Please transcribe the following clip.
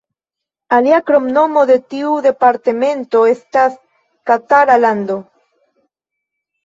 Alia kromnomo de tiu departemento estas Katara Lando.